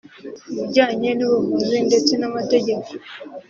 ibijyanye n’Ubuvuzi ndetse n’Amategeko